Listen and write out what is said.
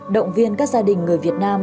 động viên các gia đình người việt nam